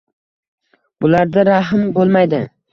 Bularda rahm bo‘lmaydi